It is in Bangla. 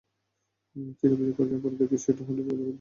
তিনি অভিযোগ করেছেন, অপরাধী কে, সেটা হোটেল কর্তৃপক্ষ জেনেও গোপন করেছে।